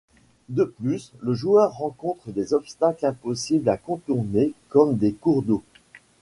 De plus, le joueur rencontre des obstacles impossibles à contourner comme des cours d'eau.